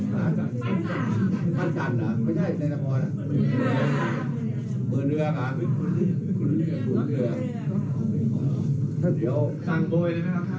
ขอเซลฟี่ด้วยด้วย